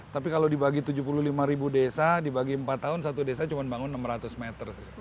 tapi kalau dibagi tujuh puluh lima ribu desa dibagi empat tahun satu desa cuma bangun enam ratus meter